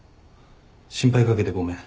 心配掛けてごめん。